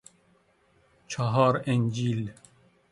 چﮩار انجیل